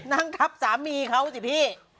นั่งทับสามีเขาสิพี่